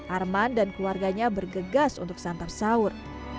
arman dan keluarganya bergegas untuk santap sahur